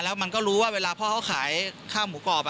แล้วมันก็รู้ว่าเวลาพ่อเขาขายข้าวหมูกรอบ